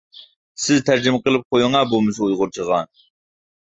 سىز تەرجىمە قىلىپ قويۇڭە بولمىسا ئۇيغۇرچىغا.